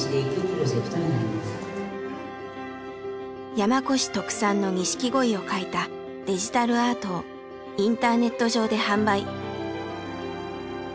山古志特産の錦鯉を描いたデジタルアートをインターネット上で販売。